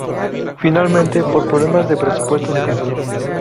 Finalmente, por problemas de presupuesto, se canceló.